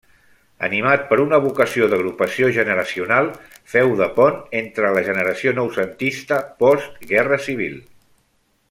Animat per una vocació d'agrupació generacional, féu de pont entre la generació noucentista post-Guerra Civil.